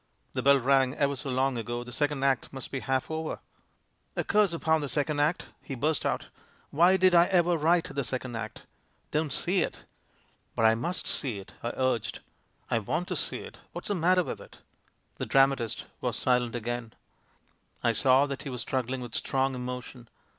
The bell rang ever so long ago; the second act must be half over." "A curse upon the second act!" he burst out. *'Why did I ever write the second act? Don't see it!" "But I must see it," I urged. *'I want to see it. What's the matter with it?" The dramatist was silent again; I saw that he was struggling with strong emotion.